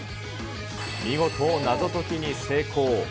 見事、謎解きに成功。